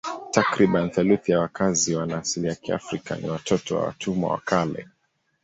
Takriban theluthi ya wakazi wana asili ya Kiafrika ni watoto wa watumwa wa kale.